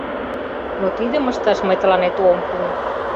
Но тидым ышташ мый тыланет ом пу.